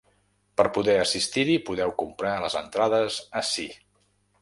Per poder assistir-hi podeu comprar les entrades ací.